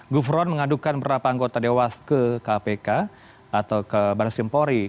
gufron mengadukan berapa anggota dewas ke kpk atau ke baris kempori